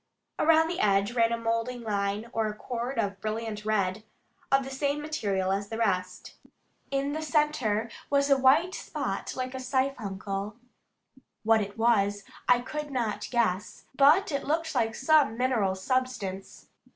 Around the edge ran a moulding line or cord of brilliant red, of the same material as the rest. In the centre was a white spot like a siphuncle. What it was I could not guess, but it looked like some mineral substance.